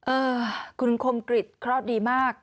เออคุณคมกริจเคราะห์ดีมาก